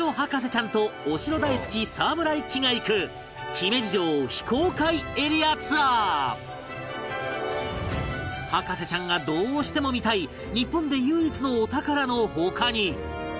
ちゃんとお城大好き沢村一樹が行く博士ちゃんがどうしても見たい日本で唯一のお宝の他に